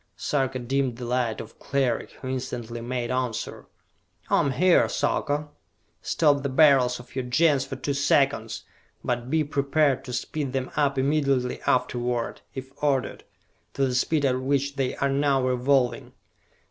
Sarka dimmed the light of Cleric, who instantly made answer. "I am here, Sarka!" "Stop the Beryls of your Gens for two seconds, but be prepared to speed them up immediately afterward, if ordered, to the speed at which they are now revolving!